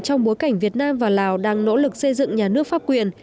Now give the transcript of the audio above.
trong bối cảnh việt nam và lào đang nỗ lực xây dựng nhà nước pháp quyền